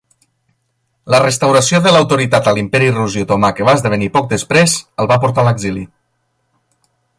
La restauració de l'autoritat a l'Imperi rus i otomà que va esdevenir poc després el va portar a l'exili.